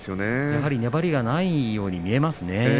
やはり粘りがないように見えますね。